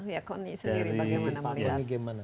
ya koni sendiri bagaimana melihat